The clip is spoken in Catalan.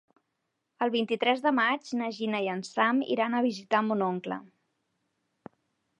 El vint-i-tres de maig na Gina i en Sam iran a visitar mon oncle.